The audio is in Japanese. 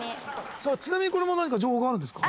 ちなみにこれも何か情報があるんですか？